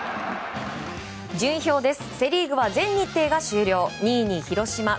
順位表です。